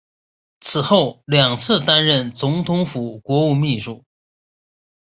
此后两次担任总统府国务秘书。